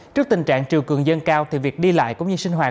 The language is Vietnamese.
trước tình trạng triều cường dân cao thì việc đi lại cũng như sinh hoạt